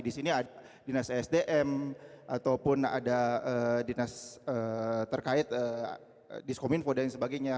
di sini ada dinas sdm ataupun ada dinas terkait diskominfo dan sebagainya